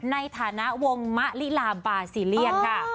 ในฐานะวงมะลิลาบาซีเลียนค่ะ